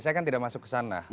saya kan tidak masuk ke sana